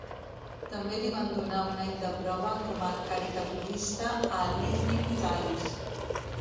També li van donar un any de prova com a caricaturista a l'"Evening Times".